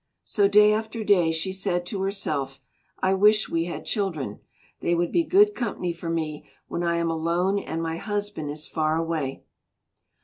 So day after day she said to herself, "I wish we had children. They would be good company for me when I am alone and my husband is far away."